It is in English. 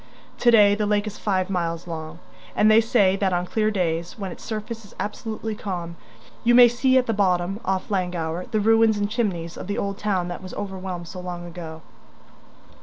To day the lake is five miles long; and they say that on clear days, when its surface is absolutely calm, you may see at the bottom, off Llangower, the ruins and chimneys of the old town that was overwhelmed so long ago.